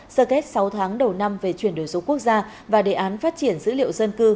sơ kết sáu tháng đầu năm về chuyển đổi số quốc gia và đề án phát triển dữ liệu dân cư